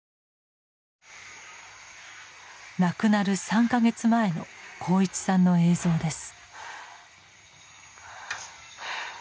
亡くなる３か月前の鋼一さんの映像です。